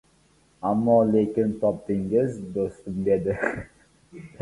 — Ammo-lekin topdingiz, do‘stim, — dedi.